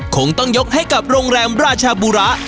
คงต้องยกให้กับโรงแรมราชบุระ